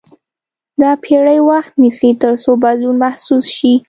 دا پېړۍ وخت نیسي تر څو بدلون محسوس شي.